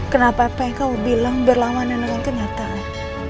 kenapa apa yang kamu bilang berlawanan dengan kenyataan